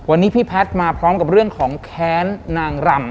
วันนี้พี่แพทย์มาพร้อมกับเรื่องของแค้นนางรำ